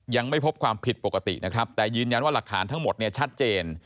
ยังไม่พบความผิดปกตินะครับแต่ยืนยันว่าหลักฐานทั้งหมดเนี่ยชัดเจน